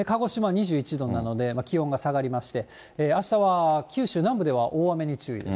鹿児島２１度なので、気温が下がりまして、あしたは九州南部では大雨に注意です。